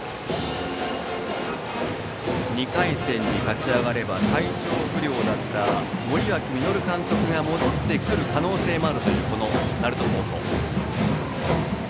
２回戦に勝ち上がれば体調不良だった森脇稔監督が戻ってくる可能性もあるというこの鳴門高校。